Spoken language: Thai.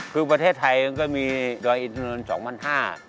คือประเทศไทยมันก็มีรายอิทธินวน๒๕๐๐บาท